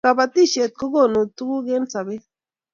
kabatishiet kokonu tuguk eng sabet